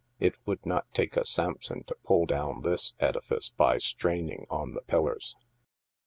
It would not take a Sampson to pull down this edifice by straining on the pillars